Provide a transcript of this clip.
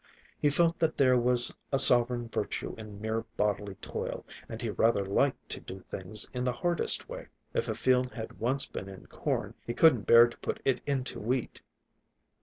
He felt that there was a sovereign virtue in mere bodily toil, and he rather liked to do things in the hardest way. If a field had once been in corn, he couldn't bear to put it into wheat.